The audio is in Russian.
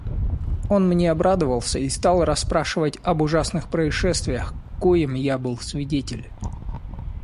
Он мне обрадовался и стал расспрашивать об ужасных происшествиях, коим я был свидетель.